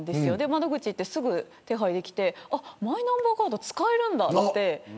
窓口ですぐ手配できてマイナンバーカード使えるんだと思って。